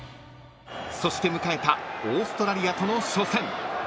［そして迎えたオーストラリアとの初戦］